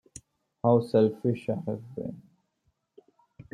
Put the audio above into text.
How selfish I have been!